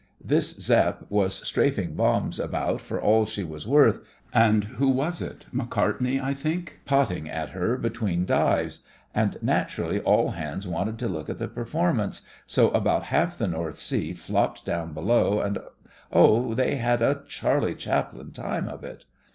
This Zepp was strafing bombs about for all she was worth, and — who was it? — Macart ney, I think, potting at her between dives; and naturally all hands wanted THE FRINGES OF THE FLEET 77 to look at the performance, so about half the North Sea flopped down be low and — oh, they had a Charlie Chaplin time of it!